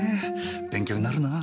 勉強になるなぁ。